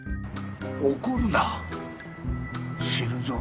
怒るな死ぬぞ。